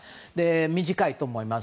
短いと思います。